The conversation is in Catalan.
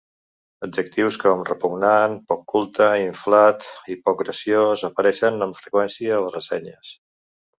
Adjectius com "repugnant", "poc culte", "inflat" i "poc graciós" apareixien amb freqüència a les ressenyes.